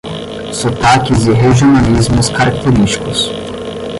Sotaques e regionalismos característicos